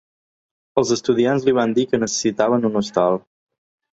Els estudiants li van dir que necessitaven un hostal.